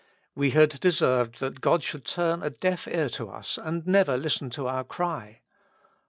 We had deserved that God should turn a deaf ear to us, and never listen to our cry.